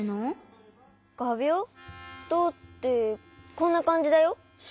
どうってこんなかんじだよ。